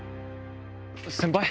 先輩？